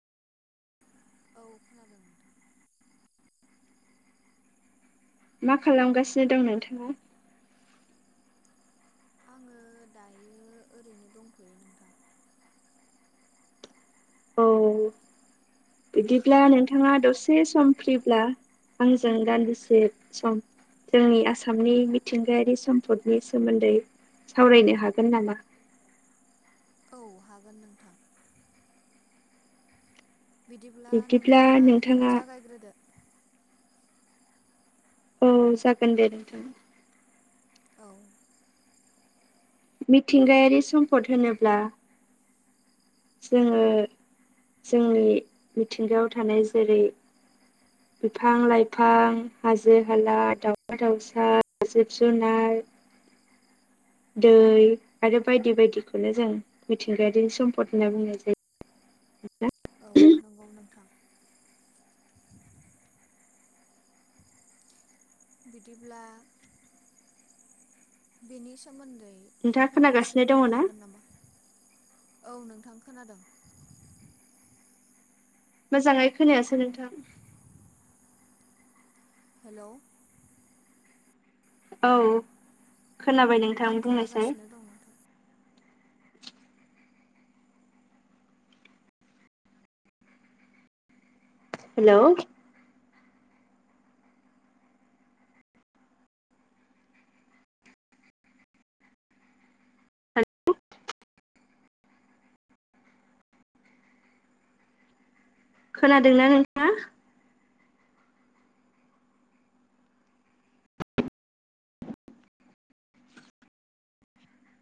औ खोनादों नोंथां मा खालामगासिनो दं नोंथाङा? आङो दायो ओरैनो दंथ'यो नोंथां। औ बिदिब्ला नोंथाङा दसे सम फ्रिब्ला आंजों दान्दिसे सम जोंनि आसामनि मिथिंगायारि सम्पदनि सोमोन्दै सावरायनो हागोन नामा? औ हागोन नोंथां बिदिब्ला बिब्दिब्ला नोंथाङा नोंथाङा जागायग्रोदो। औ जागोन दे नोंथां औ मिथिंगायारि सम्पद होनोब्ला जोङो जोंनि मिथिंगायाव थानाय जेरै [inaudible] बिफां लाइफां, हाजो हाला, दाउला दाउसा जिब जुुनार दै आरो बायदि बायदिखौनो जों मिथिंगायारिनि सम्पद होनना बुंनाय जाय। [inaudible] औ नंगौ नोंथां बिदिब्ला बेनि सोमोन्दै नोंथाङा फंनैसो खोनागासिनो दङ बुंनो ना? हागोन नामा? औ नोंथां खोनादों। मोजाङै खोनायासै नोंथां। हेलौ औ खोनाबाय नोंथां आं बुंनायसै खोनागासिनो दं नथां हेल' खोनादोंना नोंथांआ